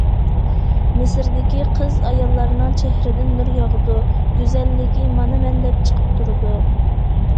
مىسىردىكى قىز- ئاياللارنىڭ چېھرىدىن نۇر ياغىدۇ، گۈزەللىكى مانا مەن دەپ چىقىپ تۇرىدۇ.